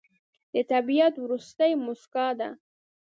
د طبیعت وروستی موسکا ده